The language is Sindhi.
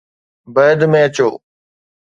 بعد ۾ اچو